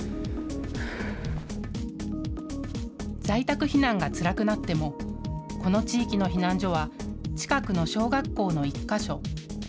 在宅避難がつらくなってもこの地域の避難所は近くの小学校の１か所。